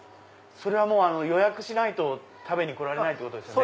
それは予約しないと食べに来られないんですよね？